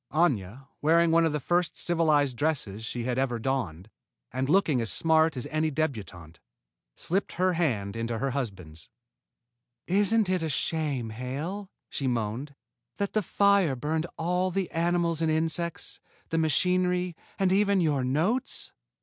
Aña, wearing one of the first civilized dresses she had ever donned, and looking as smart as any débutante, slipped her little hand into her husband's. "Isn't it a shame, Hale," she moaned, "that the fire burned all the animals and insects, the machinery, and even your notes?"